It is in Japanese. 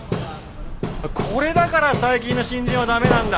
これだから最近の新人はダメなんだ。